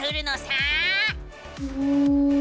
うん。